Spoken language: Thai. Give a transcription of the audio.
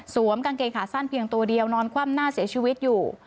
กางเกงขาสั้นเพียงตัวเดียวนอนคว่ำหน้าเสียชีวิตอยู่